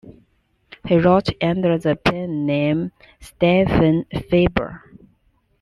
He wrote under the pen name Stefan Faber.